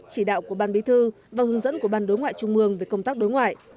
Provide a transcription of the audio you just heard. chỉ đạo của ban bí thư và hướng dẫn của ban đối ngoại trung mương về công tác đối ngoại